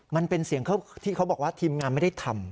มันเป็นเสียงที่เขาบอกว่าทีมงานไม่ได้ทำ